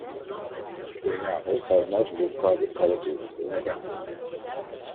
There are also multiple private colleges in Laguna.